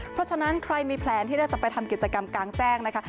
เพราะฉะนั้นใครมีแพลนที่จะไปทำกิจกรรมกลางแจ้งนะคะ